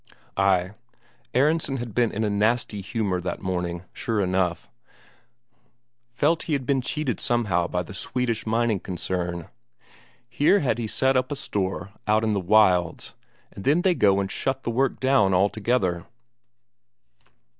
Ay, Aronsen had been in a nasty humour that morning, sure enough; felt he had been cheated somehow by that Swedish mining concern. Here had he set up a store out in the wilds, and then they go and shut down the work altogether!